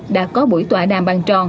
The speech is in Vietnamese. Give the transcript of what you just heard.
đã có buổi tòa đàm bằng tròn